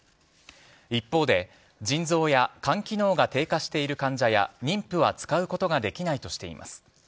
一方で、心臓や肝機能が低下している患者や妊婦は使うことができないとしています。